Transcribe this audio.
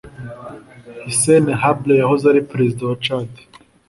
Hissène Habré yahoze ari Perezida wa Tchad